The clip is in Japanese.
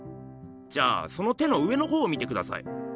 じゃあその手の上のほうを見てください。